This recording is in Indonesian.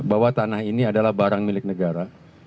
bahwa tanah ini adalah barang milik negara